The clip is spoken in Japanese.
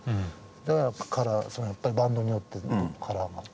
だからカラーバンドによってカラーが違う。